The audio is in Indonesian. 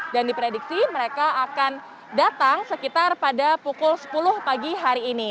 dan diprediksi mereka akan datang sekitar pada pukul sepuluh pagi hari ini